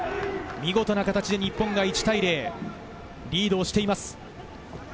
見事な形で日本が１対０、リードしています。